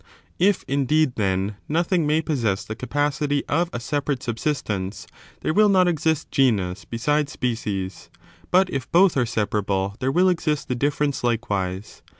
J£, indeed, then, nothing may possess the capacity of a separate subsistence, there will not exist genus besides species ; but if both are separable, there will exist the dif ference likewise.